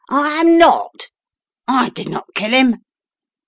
"I am not. I did not kill him!"